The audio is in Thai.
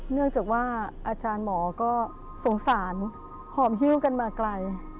เนื่องจากว่าอาจารย์หมอก็สงสารหอมฮิ้วกันมาไกล